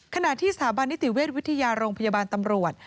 ขณะที่สถาบันนิติเวชวิทยาโรงพยาบาลตำรวจ